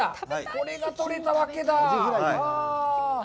これがとれたわけだ！？